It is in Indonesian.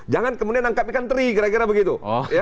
jangan kemudian menangkap ikan teri kira kira begitu